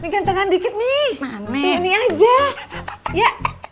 ganteng andi kit nih ini aja ya